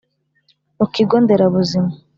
mu kigo nderabuzima